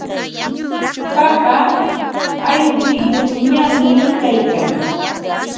Papa ayrumpiyuqñami kaykan.